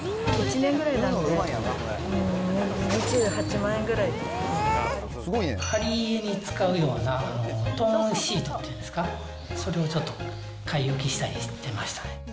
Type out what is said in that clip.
１年ぐらいなんで、２８万円ぐら貼り絵に使うようなトーンシートっていうんですか、それをちょっと買い置きしたりしてましたね。